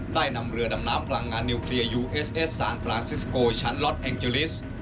ได้นำเรือดำน้ำพลังงานนิวเคลียร์ยูเอสเอสซานพรานซิสโกชั้นล็อตแองเจลิส